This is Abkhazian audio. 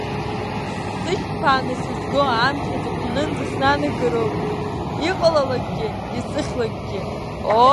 Сышьҭԥааны сызго амч аҵыхәтәанынӡа снанагароуп иҟалалакгьы, исыхьлакгьы!